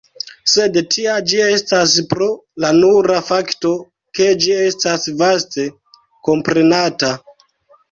Sed tia ĝi estas pro la nura fakto ke ĝi estas vaste komprenata.